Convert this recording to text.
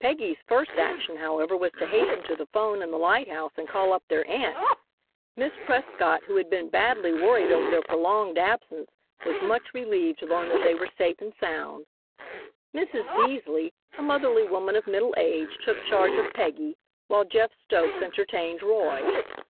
Peggy's first action, however, was to hasten to the 'phone in the lighthouse and call up their aunt. Miss Prescott, who had been badly worried over their prolonged absence, was much relieved to learn that they were safe and sound. Mrs. Beasley, a motherly woman of middle age, took charge of Peggy while Jeff Stokes entertained Roy.